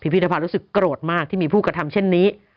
พิธภัณฑ์รู้สึกโกรธมากที่มีผู้กระทำเช่นนี้